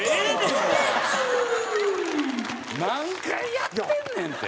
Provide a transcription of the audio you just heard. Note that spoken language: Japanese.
何回やってんねんて！